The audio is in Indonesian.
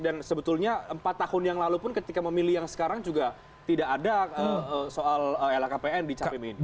dan sebetulnya empat tahun yang lalu pun ketika memilih yang sekarang juga tidak ada soal lhkpn di cpm ini